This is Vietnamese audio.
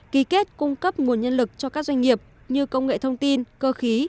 ký kết cung cấp nguồn nhân lực cho các doanh nghiệp như công nghệ thông tin cơ khí